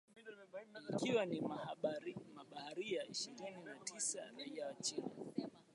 ikiwa na mabaharia ishirini na tisa raia wa china